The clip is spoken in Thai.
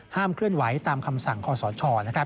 ห้ามเคลื่อนไหวตามคำสั่งขอสอนช่อ